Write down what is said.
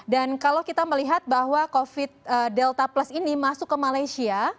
dan kalau kita melihat bahwa covid delta plus ini masuk ke malaysia